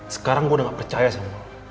sekarang gua udah gak percaya sama lu